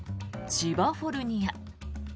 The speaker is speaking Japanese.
千葉フォルニア。